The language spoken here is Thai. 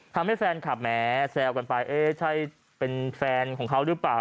ทำให้แฟนคลับแหมแซวกันไปเอ๊ะใช่เป็นแฟนของเขาหรือเปล่า